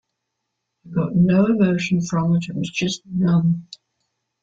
I got no emotion from it, I was just numb.